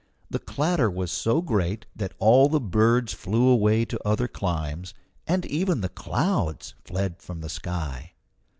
The clatter was so great that all the birds flew away to other climes, and even the clouds fled from the sky.